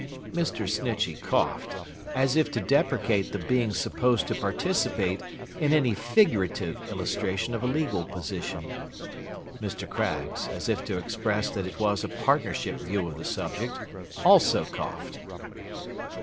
Mr. Snitchey coughed, as if to deprecate the being supposed to participate in any figurative illustration of a legal position. Mr. Craggs, as if to express that it was a partnership view of the subject, also coughed.